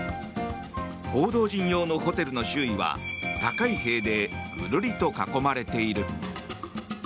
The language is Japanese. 報道陣用のホテルの周囲は高い塀でぐるりと囲まれている。